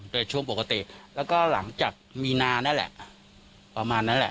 โดยช่วงปกติแล้วก็หลังจากมีนานั่นแหละประมาณนั้นแหละ